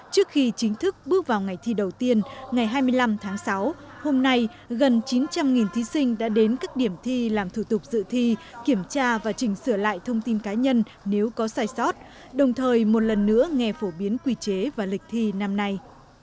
trước khi chính thức bước vào ngày thi đầu tiên ngày hai mươi năm tháng sáu hôm nay gần chín trăm linh thí sinh đã đến các điểm thi làm thủ tục dự thi kiểm tra và chỉnh sửa lại thông tin cá nhân nếu có sai sót đồng thời một lần nữa nghe phổ biến quy chế và lịch thi năm nay